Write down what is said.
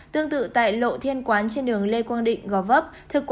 tương tự tại lộ thiên quán trên đường lê quang định gò vấp